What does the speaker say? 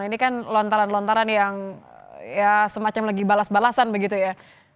ini kan lontaran lontaran yang ya semacam lagi balas balasan begitu ya